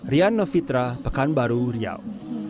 rian novitra pekanbaru riau